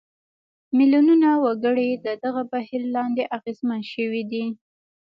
میلیونونه وګړي د دغه بهیر لاندې اغېزمن شوي دي.